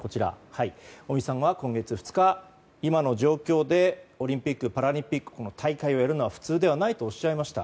尾身さんは今月２日今の状況でオリンピック・パラリンピック大会やるのは普通ではないとおっしゃいました。